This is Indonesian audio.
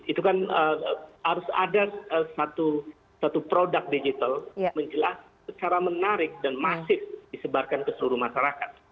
itu kan harus ada satu produk digital menjelaskan secara menarik dan masif disebarkan ke seluruh masyarakat